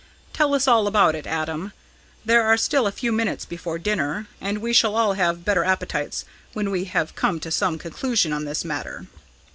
"Tell us all about it, Adam. There are still a few minutes before dinner, and we shall all have better appetites when we have come to some conclusion on this matter."